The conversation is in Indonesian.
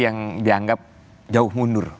yang dianggap jauh mundur